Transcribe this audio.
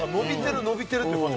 伸びてるって感じ